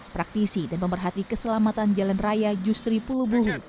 praktisi dan pemerhati keselamatan jalan raya justri puluh buhu